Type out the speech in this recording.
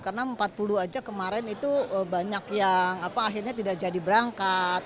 karena empat puluh aja kemarin itu banyak yang apa akhirnya tidak jadi berangkat